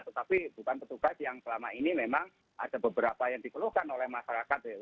tetapi bukan petugas yang selama ini memang ada beberapa yang dikeluhkan oleh masyarakat